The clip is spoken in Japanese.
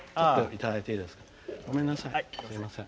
すいません。